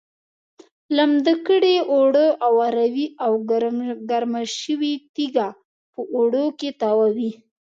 لمده کړې اوړه اواروي او ګرمه شوې تیږه په اوړو کې تاووي.